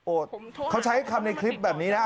เขาใช้คำในคลิปแบบนี้นะ